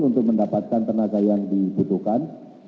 untuk mendapatkan tenaga yang dibutuhkan